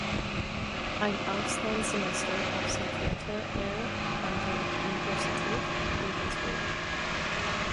Ein Auslandssemester absolvierte er an der Universität Regensburg.